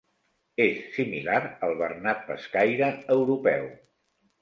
És similar al bernat pescaire europeu.